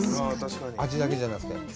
味だけじゃなくて。